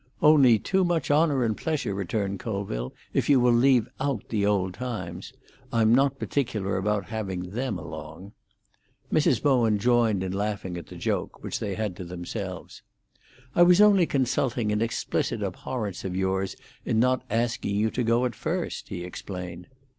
"Only too much honour and pleasure," returned Colville, "if you will leave out the old times. I'm not particular about having them along." Mrs. Bowen joined in laughing at the joke, which they had to themselves. "I was only consulting an explicit abhorrence of yours in not asking you to go at first," he explained.